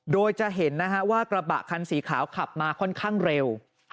โดยจะเห็นนะฮะว่ากระบะคันสีขาวขับมาค่อนข้างเร็ว